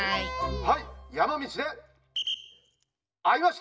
はい。